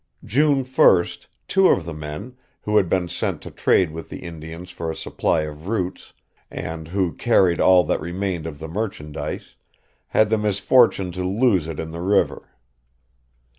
June 1st two of the men, who had been sent to trade with the Indians for a supply of roots, and who carried all that remained of the merchandise, had the misfortune to lose it in the river.